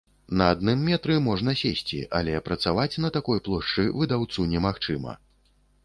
На адным метры можна сесці, але працаваць на такой плошчы выдаўцу немагчыма.